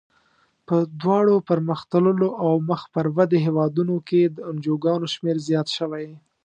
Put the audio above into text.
په دواړو پرمختللو او مخ پر ودې هېوادونو کې د انجوګانو شمیر زیات شوی.